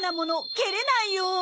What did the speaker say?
けれないよ。